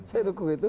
saya dukung itu